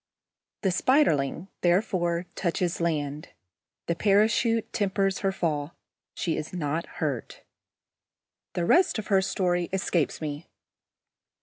The Spiderling, therefore, touches land. The parachute tempers her fall. She is not hurt. The rest of her story escapes me.